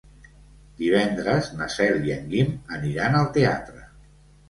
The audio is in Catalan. Divendres na Cel i en Guim aniran al teatre.